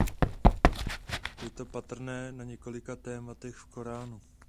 Je to patrné na několika tématech v Koránu.